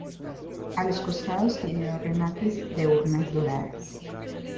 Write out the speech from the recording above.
A los costados tiene dos remates de urnas doradas.